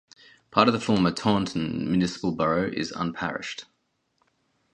Part of the former Taunton Municipal Borough is unparished.